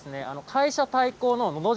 会社対抗ののど